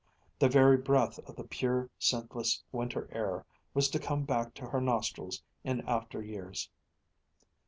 The very breath of the pure, scentless winter air was to come back to her nostrils in after years.